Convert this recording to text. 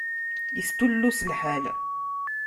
Yestulles lḥal.